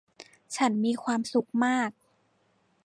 ฉันมีความสุขมาก